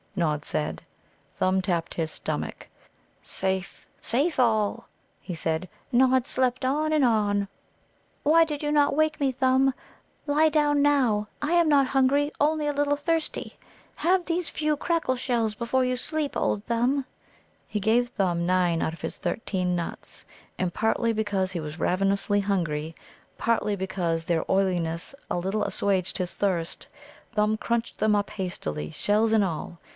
Nod said. Thumb tapped his stomach. "Safe, safe all," he said. "Nod slept on and on." "Why did you not wake me, Thumb? Lie down now. I am not hungry, only a little thirsty. Have these few crackle shells before you sleep, old Thumb." He gave Thumb nine out of his thirteen nuts, and partly because he was ravenously hungry, partly because their oiliness a little assuaged his thirst, Thumb crunched them up hastily, shells and all.